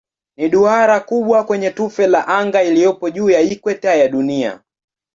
Ni duara kubwa kwenye tufe la anga iliyopo juu ya ikweta ya Dunia.